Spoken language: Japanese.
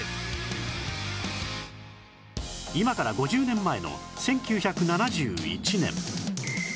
今から５０年前の１９７１年